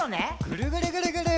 ぐるぐるぐるぐる。